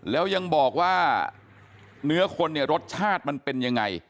แล้วยังบอกว่าเนื้อคนเนี่ยรสชาติมันเป็นยังไง